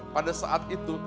pada saat itu